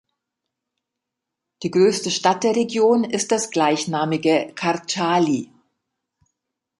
Die größte Stadt der Region ist das gleichnamige Kardschali.